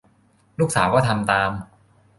ลูกสาวก็ทำตาม